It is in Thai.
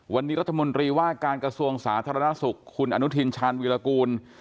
วันนี้รัฐมนตรีว่าการกระทรวงสาธารณสุขคุณอนุทินชาญวิรากูล